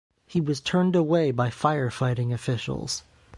He was turned away by firefighting officials.